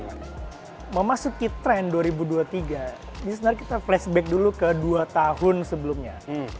mau masuk ke tren dua ribu dua puluh tiga bisa nanti kita flashback dulu ke dua tahun sebelumnya